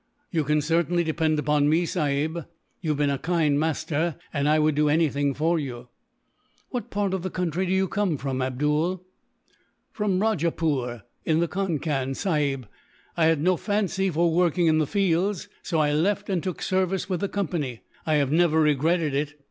"You can certainly depend upon me, sahib. You have been a kind master, and I would do anything for you." "What part of the country do you come from, Abdool?" "From Rajapoor, in the Concan, sahib. I had no fancy for working in the fields, so I left and took service with the Company. I have never regretted it.